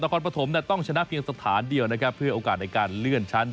คอนปฐมต้องชนะเพียงสถานเดียวนะครับเพื่อโอกาสในการเลื่อนชั้น